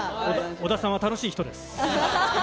小田さんは楽しい人です。